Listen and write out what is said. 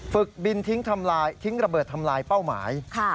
ฝึกบินทิ้งระเบิดทำลายเป้าหมาย